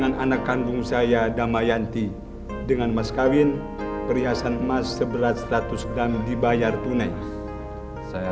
maaf pak saya mengantarkan yasi pulang